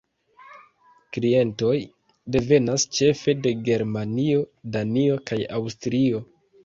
Klientoj devenas ĉefe de Germanio, Danio kaj Aŭstrio.